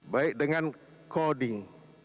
baik dengan coding